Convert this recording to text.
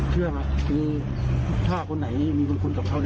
เชื่อไหมคือถ้าคนไหนมีบุญคุณกับเขา